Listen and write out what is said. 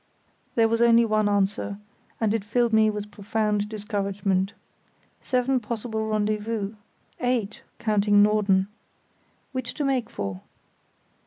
There was only one answer; and it filled me with profound discouragement. Seven possible rendezvous!—eight, counting Norden. Which to make for?